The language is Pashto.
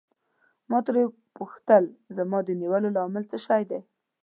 ما ترې وپوښتل زما د نیولو لامل څه شی دی.